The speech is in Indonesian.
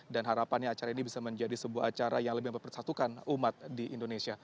dan harapannya acara ini bisa menjadi sebuah acara yang lebih mempersatukan umat di indonesia